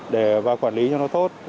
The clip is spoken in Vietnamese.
để và quản lý cho nó tốt